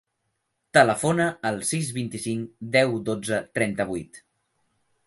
Telefona al sis, vint-i-cinc, deu, dotze, trenta-vuit.